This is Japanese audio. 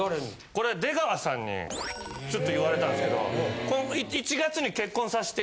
これ出川さんにちょっと言われたんですけど。